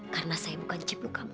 karena saya bukan cipu kamu